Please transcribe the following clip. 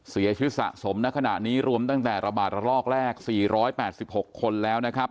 เสียชีวิตสะสมในขณะนี้รวมตั้งแต่ระบาดระลอกแรก๔๘๖คนแล้วนะครับ